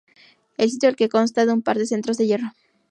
El sitio al que se une consta de un par de centros de hierro.